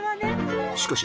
しかし